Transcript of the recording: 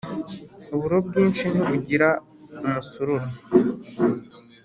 Uburo bwinshi ntibugira umusururu.